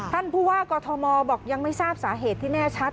ท่านผู้ว่ากอทมบอกยังไม่ทราบสาเหตุที่แน่ชัด